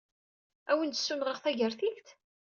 Ad awen-d-ssunɣeɣ tagertilt?